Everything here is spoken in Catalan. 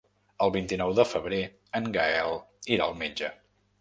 El vint-i-nou de febrer en Gaël irà al metge.